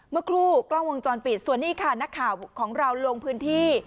เมื่อครู่กล้องวงจรปิดส่วนนี้ค่ะนักข่าวของเราลงพื้นที่